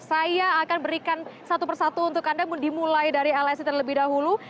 saya akan berikan satu persatu untuk anda dimulai dari lsi terlebih dahulu